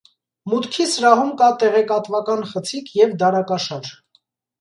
Մուտքի սրահում կա տեղեկատվական խցիկ և դարակաշար։